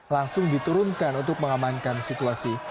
langsung diturunkan untuk mengamankan situasi